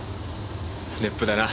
熱風だな。